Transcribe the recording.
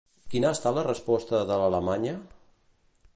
Quina ha estat la resposta de l'alemanya?